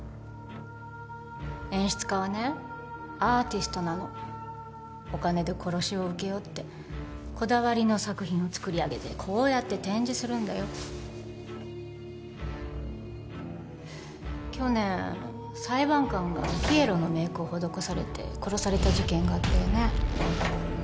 演出家はねアーティストなのお金で殺しを請け負ってこだわりの作品を作り上げてこうやって展示するんだよ去年裁判官がピエロのメークを施されて殺された事件があったよね